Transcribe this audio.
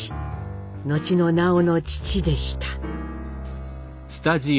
後の南朋の父でした。